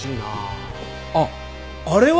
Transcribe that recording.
あっあれは？